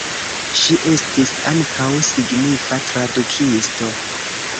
Ŝi estis ankaŭ signifa tradukisto.